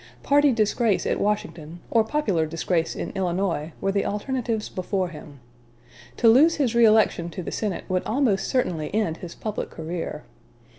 Party disgrace at Washington, or popular disgrace in Illinois, were the alternatives before him. To lose his reëlection to the Senate would almost certainly end his public career.